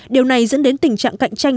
điều này dẫn đến tình trạng cạnh tranh